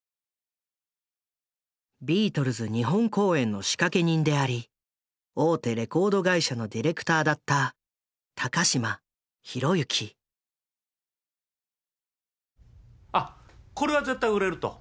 ビートルズ日本公演の仕掛け人であり大手レコード会社のディレクターだったあっこれは絶対売れると。